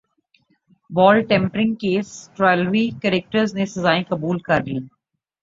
بال tampering case سٹریلوی cricketers نے سزائیں قبول کر لیں